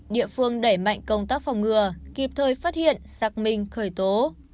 địa phương đẩy mạnh công tác phòng ngừa kịp thời phát hiện xác minh khởi tố